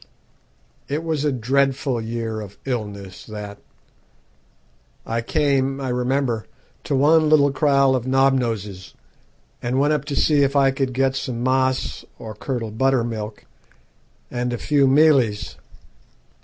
"It was a dreadful year of illness that. I came, I remember, to one little kraal of Knobnoses, and went up to it to see if I could get some 'maas', or curdled butter milk, and a few mealies.